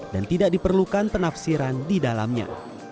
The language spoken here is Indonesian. dan tidak diperlukan penafsiran di dalamnya